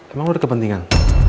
emang lo ada kepentingan